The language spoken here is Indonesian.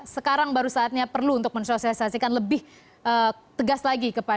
sekarang baru saatnya perlu untuk mensosialisasikan lebih tegas lagi